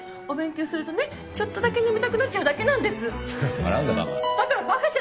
お勉強するとねちょっとだけ眠たくなっちゃうだけなんです。